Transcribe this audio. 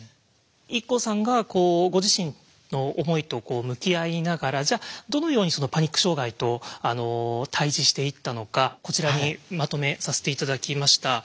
ＩＫＫＯさんがご自身の思いと向き合いながらじゃあどのようにそのパニック障害と対じしていったのかこちらにまとめさせて頂きました。